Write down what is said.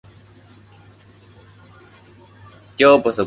后来改组为中国国民党中央委员会文化传播工作会。